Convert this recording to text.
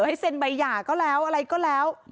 ให้เซ็นใบหย่าก็แล้วอะไรก็แล้ว